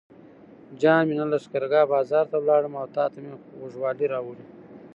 جان مې نن لښکرګاه بازار ته لاړم او تاته مې غوږوالۍ راوړې.